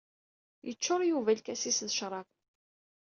Yeččur Yuba lkas-is d ccrab.